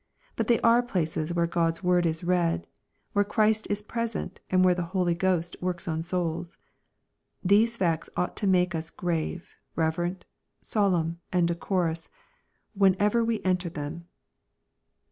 But they are places where God's word is read, where Christ is present, and where the Holy Ghost works on souls. These facts ought to make ua grave, reverent, solemn and decorous, wuenever we enter them.